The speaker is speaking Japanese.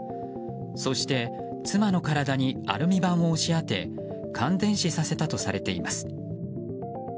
そして、妻の体にアルミ板を押し当て感電死させたとされています。